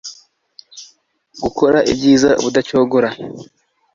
gukora ibyiza ubudacogora